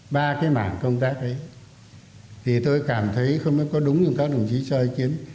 ba cái mảng công tác ấy thì tôi cảm thấy không biết có đúng không các đồng chí cho ý kiến